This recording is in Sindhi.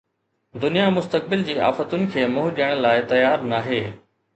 دنيا مستقبل جي آفتن کي منهن ڏيڻ لاءِ تيار ناهي